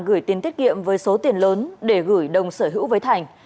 gửi tiền tiết kiệm với số tiền lớn để gửi đồng sở hữu với thành